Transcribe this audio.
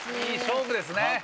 いい勝負ですね。